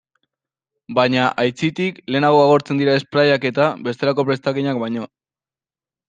Baina, aitzitik, lehenago agortzen dira sprayak eta bestelako prestakinak baino.